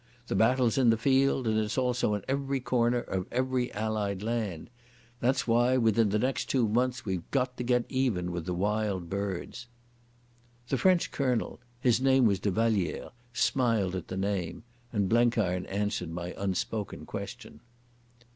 The battle's in the field, and it's also in every corner of every Allied land. That's why within the next two months we've got to get even with the Wild Birds." The French Colonel—his name was de Vallière—smiled at the name, and Blenkiron answered my unspoken question.